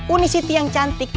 uni city yang cantik